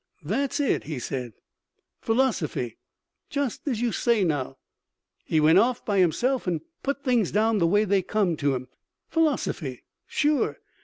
"That's it," he said, "philosophy. Just as you say, now, he went off by himself and put things down the way they come to him. Philosophy. Sure.